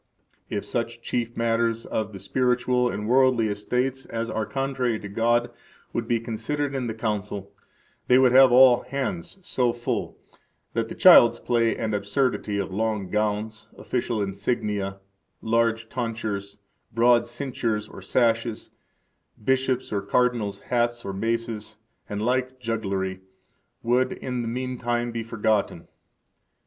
13 If such chief matters of the spiritual and worldly estates as are contrary to God would be considered in the Council, they would have all hands so full that the child's play and absurdity of long gowns [official insignia], large tonsures, broad cinctures [or sashes], bishops' or cardinals' hats or maces, and like jugglery would in the mean time be forgotten.